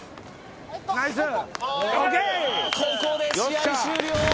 ここで試合終了！